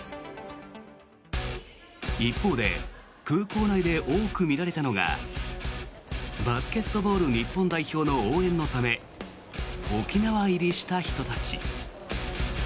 一方で空港内で多く見られたのがバスケットボール日本代表の応援のため沖縄入りした人たち。